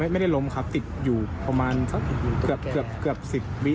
ไม่ได้ล้มครับติดอยู่ประมาณสักเกือบ๑๐วิ